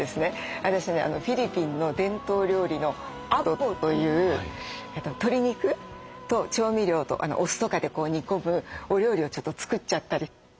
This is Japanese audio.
私ねフィリピンの伝統料理のアドボという鶏肉と調味料とお酢とかで煮込むお料理をちょっと作っちゃったり。